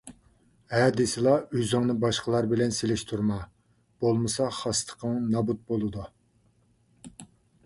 ھە دېسىلا ئۆزۈڭنى باشقىلار بىلەن سېلىشتۇرما، بولمىسا خاسلىقىڭ نابۇت بولىدۇ.